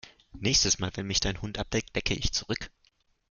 Nächstes Mal, wenn mich dein Hund ableckt, lecke ich zurück!